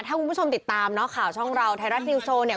ถ้าคุณผู้ชมติดตามเนาะข่าวช่องเราไทยรัฐนิวสโชว์เนี่ย